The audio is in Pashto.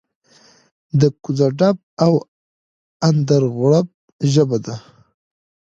د کوڅه ډب او اندرغړب ژبه ده.